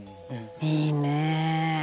「いいね！